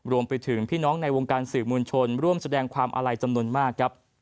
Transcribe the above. รวมไปถึงพี่น้องในวงการสื่อมวลชนร่วมแสดงความอาลัยจำนวนมากครับ